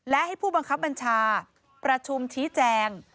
และให้ผู้บังคับบัญชาประชุมชี้แจง